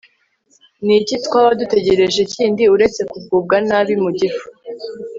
ni iki twaba dutegereje kindi uretse kugubwa nabi mu gifu